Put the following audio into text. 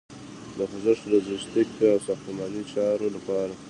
د خوځښت، لوژستیک او ساختماني چارو لپاره